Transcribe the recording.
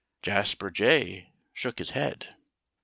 Jasper Jay shook his head.